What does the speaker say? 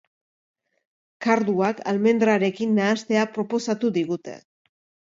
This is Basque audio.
Karduak almendrarekin nahastea proposatu digute.